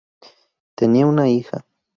Tenía una hija